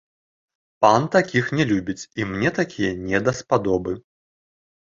Пан такіх не любіць, і мне такія не даспадобы.